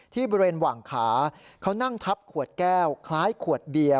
ที่บริเวณหว่างขาเขานั่งทับขวดแก้วคล้ายขวดเบียร์